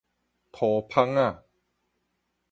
塗蜂仔